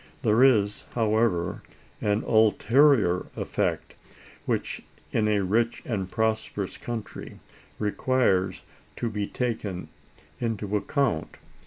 There is, however, an ulterior effect, which, in a rich and prosperous country, requires to be taken into account.